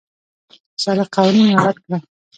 د سړک قوانين مراعت کړه.